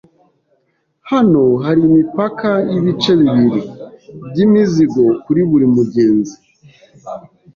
Hano hari imipaka y'ibice bibiri by'imizigo kuri buri mugenzi.